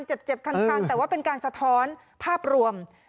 เจ็บคันแต่ว่าเป็นการสะท้อนภาพรวม